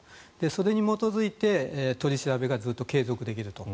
それに基づいて取り調べがずっと継続できると。